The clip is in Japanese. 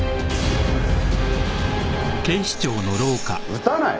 撃たない？